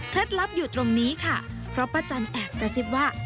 ลับอยู่ตรงนี้ค่ะเพราะป้าจันแอบกระซิบว่า